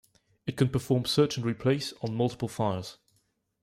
It can perform search and replace on multiple files.